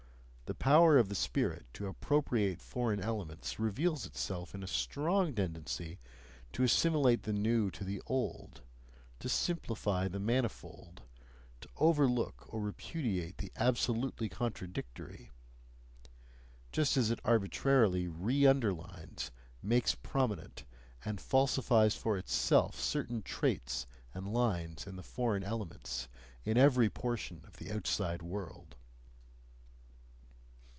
The power of the spirit to appropriate foreign elements reveals itself in a strong tendency to assimilate the new to the old, to simplify the manifold, to overlook or repudiate the absolutely contradictory; just as it arbitrarily re underlines, makes prominent, and falsifies for itself certain traits and lines in the foreign elements, in every portion of the "outside world."